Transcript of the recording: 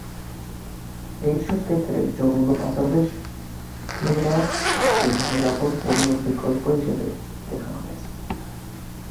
এইসব ক্ষেত্রে, যৌন পাদদেশ ক্রীড়া একটি নিরাপদ যৌন-বিকল্প হিসাবে দেখা হয়েছে।